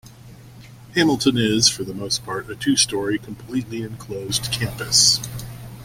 Hamilton is, for the most part, a two-story, completely enclosed campus.